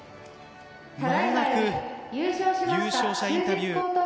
間もなく優勝者インタビュー。